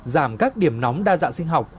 giảm các điểm nóng đa dạng sinh học